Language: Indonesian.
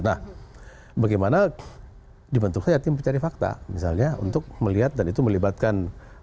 nah bagaimana dibentuk saja tim pencari fakta misalnya untuk melihat dan itu melibatkan